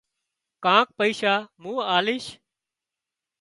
ڪانڪ پئيشا مُون آليش